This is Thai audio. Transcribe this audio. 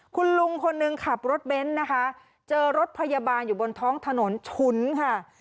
คุณลุงคนหนึ่งขับรถเบนท์นะคะเจอรถพยาบาลอยู่บนท้องถนนฉุนค่ะ